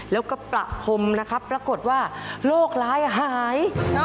แล้วก็ประพรมนะครับปรากฏว่าโรคร้ายหาย